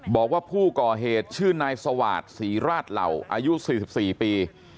บอกว่าผู้ก่อเหตุชื่อนายสวาสศรีราชเหล่าอายุ๔๔ปี